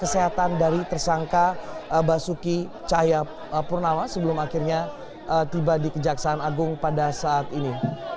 dan juga mengecek kesehatan dari tersangka basuki cahaya purnama sebelum akhirnya tiba di kejaksaan agung pada saat ini